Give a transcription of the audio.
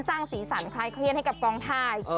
สร้างสีสันคลายเครียดให้กับกองถ่าย